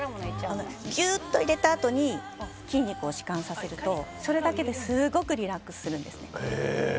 ぎゅっと力を入れたあとに筋肉を弛緩させるとそれだけですごくリラックスするんです。